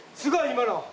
今の。